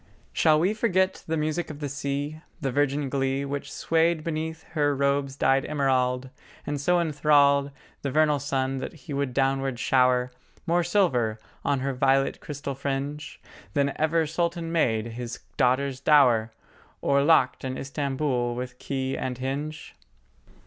Shall we forget the music of the sea, The virgin glee Which swayed beneath her robes dyed emerald, And so enthralled The vernal sun that he would downward shower More silver on her violet crystal fringe Than ever Sultan made his daughter's dower Or locked in Istamboul with key and hinge?